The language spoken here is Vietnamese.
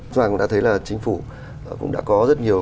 chúng ta cũng đã thấy là chính phủ cũng đã có rất nhiều